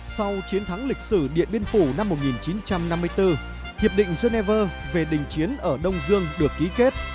sau chiến thắng lịch sử điện biên phủ năm một nghìn chín trăm năm mươi bốn hiệp định geneva về đình chiến ở đông dương được ký kết